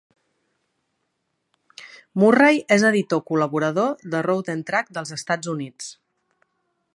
Murray és editor col·laborador de "Road and Track" dels Estats Units.